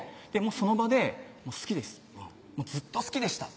その場で「好きですずっと好きでした」